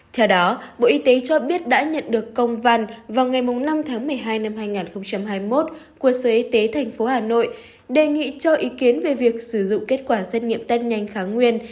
theo đó bộ y tế cho biết đã nhận được công văn vào ngày năm tháng một mươi hai năm hai nghìn hai mươi một của sở y tế tp hà nội đề nghị cho ý kiến về việc sử dụng kết quả xét nghiệm test nhanh kháng nguyên